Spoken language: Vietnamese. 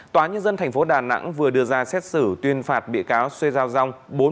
tòa nhân dân thành phố đà nẵng vừa đưa ra xét xử tuyên phạt bị cáo xoay rau rong